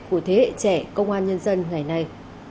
của thế hệ trẻ công an nhân dân ngày nay